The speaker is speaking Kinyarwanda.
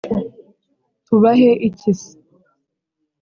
“Tubahe iki se?”